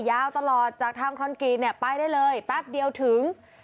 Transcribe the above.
ยาวตลอดจากทางคอนกรีตเนี่ยไปได้เลยแป๊บเดียวถึง